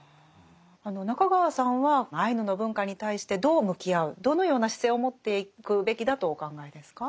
中川さんはアイヌの文化に対してどう向き合うどのような姿勢を持っていくべきだとお考えですか？